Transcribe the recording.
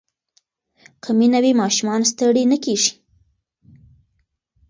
که مینه وي ماشومان ستړي نه کېږي.